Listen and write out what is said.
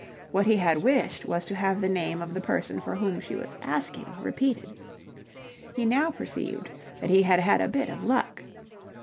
What he had wished was to have the name of the person for whom she was asking repeated. He now perceived that he had had a bit of luck.